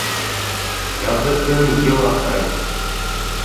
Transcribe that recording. Яҙғы көн йыл аҫрай.